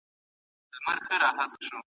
يو انسان په ټولني کي عزت ته ارزښت ورکوي.